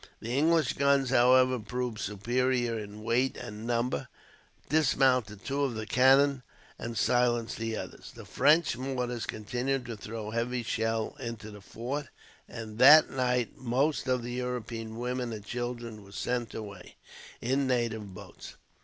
The English guns, however, proved superior in weight and number, dismounted two of the cannon, and silenced the others. The French mortars continued to throw heavy shell into the fort, and that night most of the European women and children were sent away, in native boats.